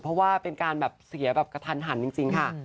เพราะว่าเป็นการแบบเสียแบบกระทันหันจริงค่ะ